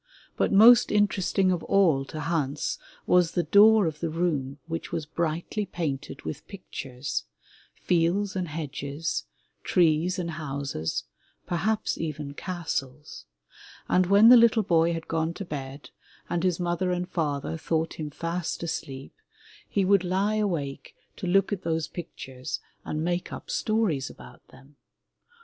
But most interesting of all to Hans was the door of the room which was brightly painted with pictures — fields and hedges, trees and houses, perhaps even castles — and when the little boy had gone to bed and his mother and father thought him fast asleep, he would lie awake to look at those pictures and make up stories about them.